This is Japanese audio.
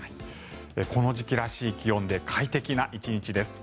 この時期らしい気温で快適な１日です。